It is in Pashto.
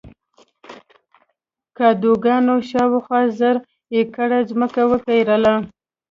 کادوګان شاوخوا زر ایکره ځمکه وپېرله.